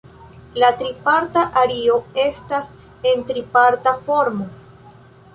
La triparta ario estas en triparta formo.